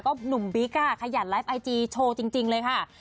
หนุ่มบิ๊กขยันไลฟ์ไอจีโชว์จริงเลยค่ะ